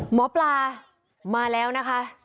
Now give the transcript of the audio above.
หมอปลามาแล้วนะคะ